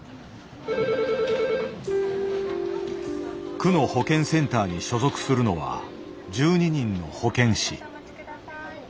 区の保健センターに所属するのは１２人の保健師。